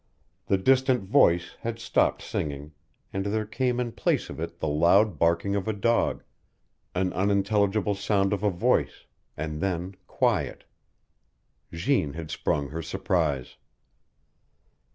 The distant voice had stopped singing, and there came in place of it the loud barking of a dog, an unintelligible sound of a voice, and then quiet. Jeanne had sprung her surprise.